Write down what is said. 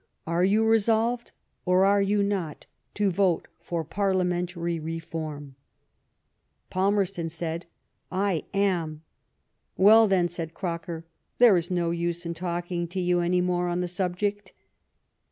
Are you resolved, or are you not, to vote for Parliamentary Reform ?''^ Palmerston said, •*' I am." " Well, then," said Croker, "there is no use in talking to you any more on the subject.'